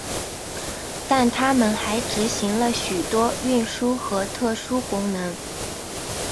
但他们还执行了许多运输和特殊功能。